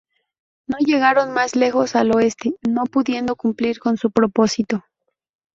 No llegaron más lejos al oeste, no pudiendo cumplir con su propósito.